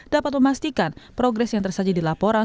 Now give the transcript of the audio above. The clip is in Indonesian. dapat memastikan progres yang tersaji di laporan